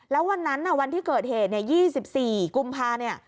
แล้ววันนั้นน่ะวันที่เกิดเหตุ๒๔กุมภาคม